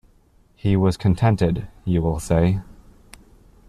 He was contented, you will say.